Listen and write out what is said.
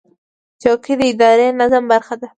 چوکۍ د اداري نظم برخه ده.